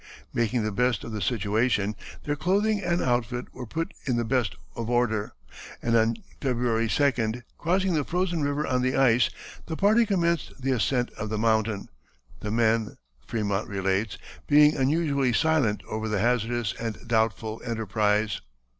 Making the best of the situation their clothing and outfit were put in the best of order, and on February 2d, crossing the frozen river on the ice, the party commenced the ascent of the mountain, the men, Frémont relates, being unusually silent over the hazardous and doubtful enterprise.